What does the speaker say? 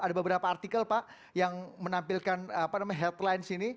ada beberapa artikel pak yang menampilkan apa namanya headline sini